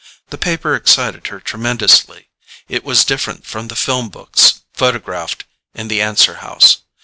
The paper excited her tremendously. It was different from the film books photographed in the answer house.